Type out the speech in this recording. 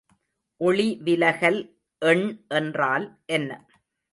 ஒளிவிலகல் எண் என்றால் என்ன?